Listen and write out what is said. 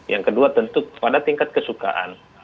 yang kedua tentu pada tingkat kesukaan